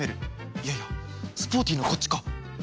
いやいやスポーティーなこっちか？